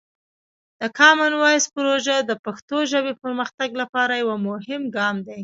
د کامن وایس پروژه د پښتو ژبې پرمختګ لپاره یوه مهمه ګام دی.